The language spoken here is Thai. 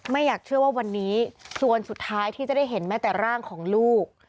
อยากเชื่อว่าวันนี้ส่วนสุดท้ายที่จะได้เห็นแม้แต่ร่างของลูก